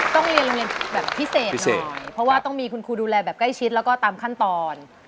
ต้องเรียนโรงเรียนแบบพิเศษหน่อยเพราะว่าต้องมีคุณครูดูแลแบบใกล้ชิดแล้วก็ตามขั้นตอน